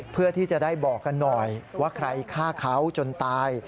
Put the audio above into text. เพื่อที่จะได้บอกกันหน่อยว่าใครฆ่าเขาจนตาย